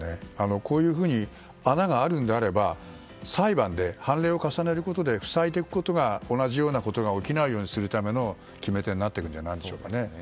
こういうふうに穴があるのであれば裁判で判例を重ねることで塞いでいくことが同じようなことが起きないようにするための決め手になっていくんじゃ